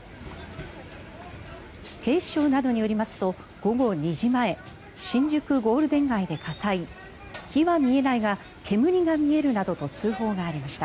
警視庁などによりますと午後２時前新宿ゴールデン街で火災火は見えないが煙が見えるなどと通報がありました。